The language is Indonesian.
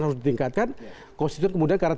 harus ditingkatkan konstituen kemudian karena